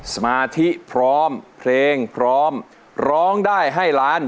สมาธิพร้อมเพลงพร้อมร้องได้ให้ล้าน